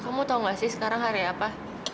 kamu tau gak sih sekarang area apa